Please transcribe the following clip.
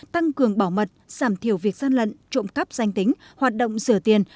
tăng cường bảo mật giảm thiểu việc gian lận trộm cắp danh tính hoạt động sửa tiền